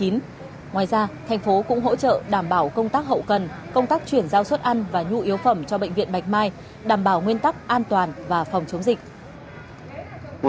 ngoài ra thành phố cũng hỗ trợ đảm bảo công tác hậu cần công tác chuyển giao suất ăn và nhu yếu phẩm cho bệnh viện bạch mai đảm bảo nguyên tắc an toàn và phòng chống dịch